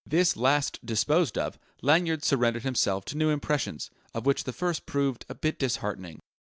This last disposed of; Lanyard surrendered himself to new impressions of which the first proved a bit disheartening.